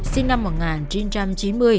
sinh năm một nghìn chín trăm chín mươi